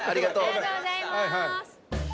ありがとうございます。